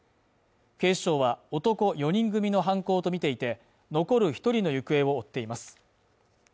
警視庁は男４人組の犯行とみていて、残る１人の行方を追っています。